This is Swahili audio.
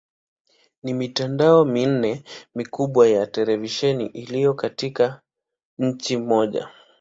Ni mitandao minne mikubwa ya televisheni iliyo katika nchi moja.